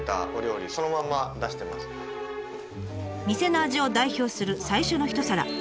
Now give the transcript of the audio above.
店の味を代表的する最初の一皿。